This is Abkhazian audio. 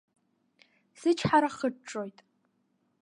Сычҳара хыҽҽоит.